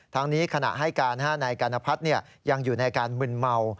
ทั้งนี้ขณะให้การนายกรณพัฒน์ยังอยู่ในอาการมึนเมา